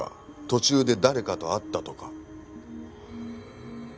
途中で誰かと会ったとか。